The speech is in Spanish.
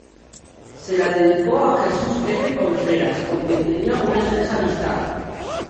Se la dedicó a Jesús F. Contreras, con quien tenía una estrecha amistad.